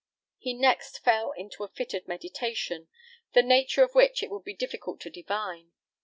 He next fell into a fit of meditation, the nature of which it would be difficult to divine.